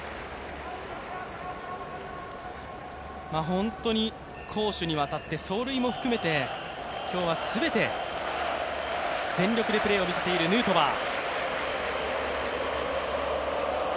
本当に攻守にわたって走塁も含めて、今日は全て全力でプレーを見せているヌートバー。